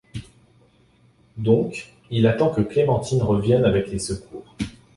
Donc, il attend que Clémentine revienne avec les secours.